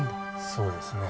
そうですね。